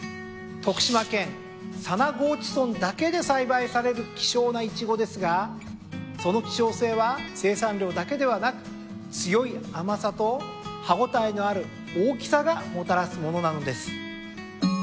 徳島県佐那河内村だけで栽培される希少なイチゴですがその希少性は生産量だけではなく強い甘さと歯応えのある大きさがもたらすものなのです。